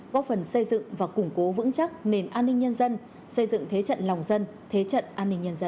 góp phần xây dựng và củng cố vững chắc nền an ninh nhân dân xây dựng thế trận lòng dân thế trận an ninh nhân dân